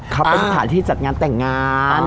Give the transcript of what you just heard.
เขาเป็นสถานที่จัดงานแต่งงาน